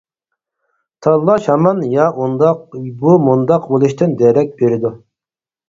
تاللاش ھامان يا ئۇنداق، بۇ مۇنداق بولۇشتىن دېرەك بېرىدۇ.